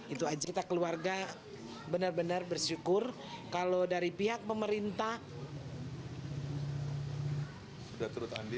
itu aja kita keluarga benar benar bersyukur kalau dari pihak pemerintah